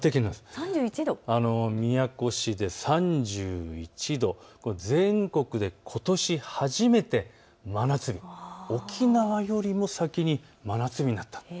宮古市で３１度、これは全国でことし初めて真夏日、沖縄よりも先に真夏日になった。